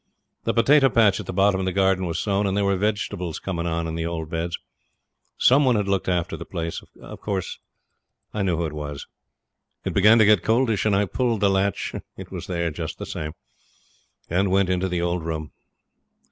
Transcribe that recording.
The potato patch at the bottom of the garden was sown, and there were vegetables coming on in the old beds. Some one had looked after the place; of course, I knew who it was. It began to get coldish, and I pulled the latch it was there just the same and went into the old room.